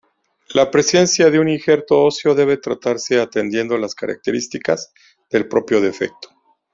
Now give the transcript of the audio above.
La presencia de un injerto óseo debe tratarse atendiendo las características del propio defecto.